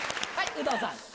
有働さん。